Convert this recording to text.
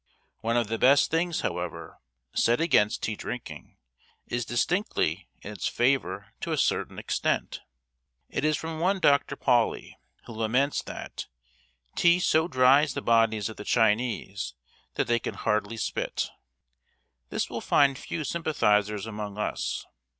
One of the best things, however, said against tea drinking is distinctly in its favor to a certain extent. It is from one Dr. Paulli, who laments that "tea so dries the bodies of the Chinese that they can hardly spit." This will find few sympathizers among us.